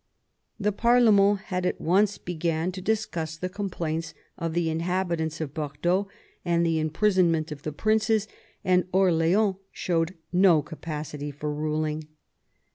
The parlemerd had at once begun to discuss the complaints of the inhabitants of Bordeaux and the imprisonment of the princes, and Orleans showed no capacity for ruling.